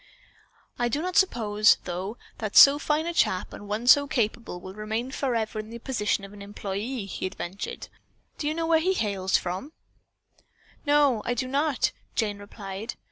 "I do not suppose, though, that so fine a chap and one so capable will remain forever in the position of an employee," he ventured. "Do you know where he hails from?" "No, I do not," Jane replied.